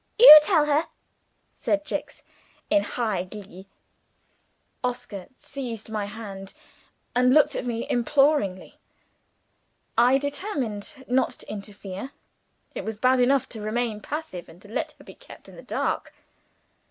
"You tell her!" said Jicks, in high glee. Oscar seized my hand, and looked at me imploringly. I determined not to interfere. It was bad enough to remain passive, and to let her be kept in the dark.